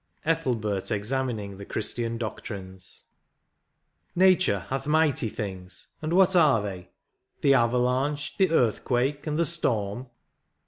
'' 29 XIV. ETHELBERT EXAMINING THE CHRISTIAN DOCTRINES. Nature hath mighty things, and what are they? The avalanche, the earthquake, and the storm